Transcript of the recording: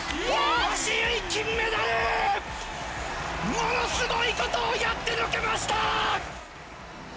ものすごいことをやってのけました。